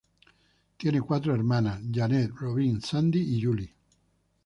Tiene cuatro hermanas, Janet, Robin, Sandy y Julie.